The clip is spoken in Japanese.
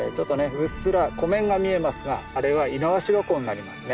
うっすら湖面が見えますがあれは猪苗代湖になりますね。